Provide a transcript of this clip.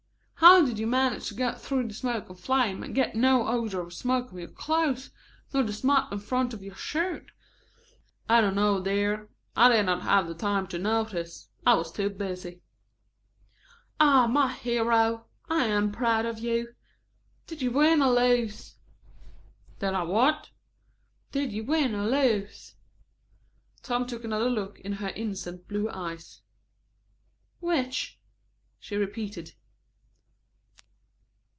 How did you manage to go through the smoke and flame and get no odor of smoke on your clothes, nor smut the front of your shirt?" "I don't know, dear. I did not have time to notice. I was too busy." "Ah, my hero! I am proud of you. Did you win or lose?" "Did I what?" "Did you win or lose?" Tom took another look into her innocent blue eyes. "Which?" she repeated.